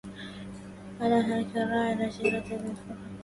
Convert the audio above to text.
ألا هلك الراعي العشيرة ذو الفقد